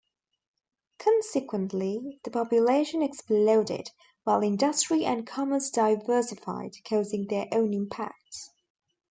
Consequently, the population exploded, while industry and commerce diversified, causing their own impacts.